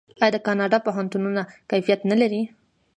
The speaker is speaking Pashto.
آیا د کاناډا پوهنتونونه کیفیت نلري؟